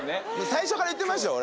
最初から言ってましたよ